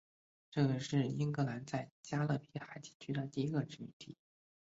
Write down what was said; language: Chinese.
这个是英格兰在加勒比海地区的第一个殖民地。